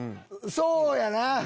そうやな！